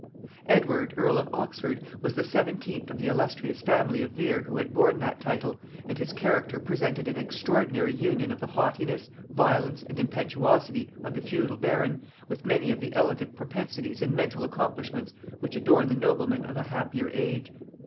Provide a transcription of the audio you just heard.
Edward earl of Oxford was the seventeenth of the illustrious family of Vere who had borne that title, and his character presented an extraordinary union of the haughtiness, violence and impetuosity of the feudal baron, with many of the elegant propensities and mental accomplishments which adorn the nobleman of a happier age.